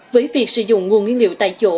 với việc sử dụng nguồn nguyên liệu tại chỗ